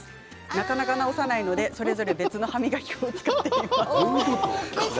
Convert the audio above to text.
なかなか直さないのでそれぞれ別の歯磨き粉を使っています。